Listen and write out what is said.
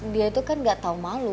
dia tuh kan gak tau malu